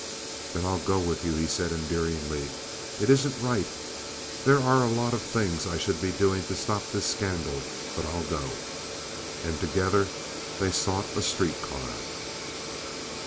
"Then I'll go with you," he said, endearingly. "It isn't right. There are a lot of things I should be doing to stop this scandal, but I'll go." And together they sought a street car.